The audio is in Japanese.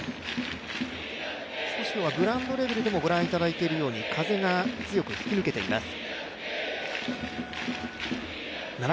少し今日はグラウンドレベルでもご覧いただいているように風が強く吹き抜けています。